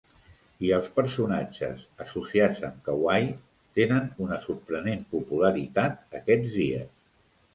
I els personatges associats amb Kawaii tenen una sorprenent popularitat aquests dies.